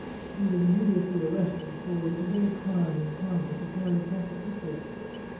He was immediately arrested, for it is a great crime, in Parma, to carry pocket pistols.